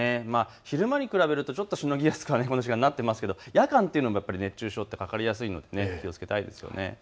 昼間に比べるとちょっとしのぎやすくはなっていますけど夜間も熱中症かかりやすいので気をつけたいですよね。